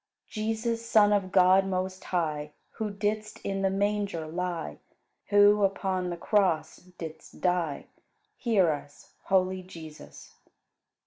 Jesus, Son of God most high, Who didst in the manger lie, Who upon the cross didst die Hear us, holy Jesus!